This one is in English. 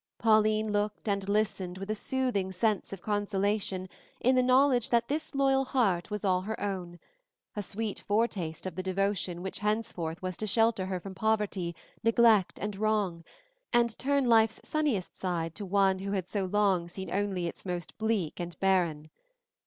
Pauline looked and listened with a soothing sense of consolation in the knowledge that this loyal heart was all her own, a sweet foretaste of the devotion which henceforth was to shelter her from poverty, neglect, and wrong, and turn life's sunniest side to one who had so long seen only its most bleak and barren.